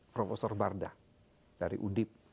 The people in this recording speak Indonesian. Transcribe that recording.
prof barda dari udip